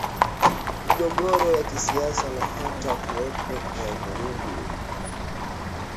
migogoro ya kisiasa na hata kuwepo kwa vurugu